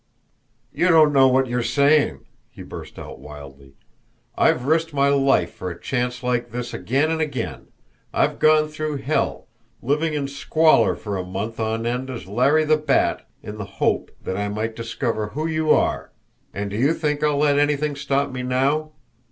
"You don't know what you are saying!" he burst out wildly. "I've risked my life for a chance like this again and again; I've gone through hell, living in squalour for a month on end as Larry the Bat in the hope that I might discover who you are and do you think I'll let anything stop me now!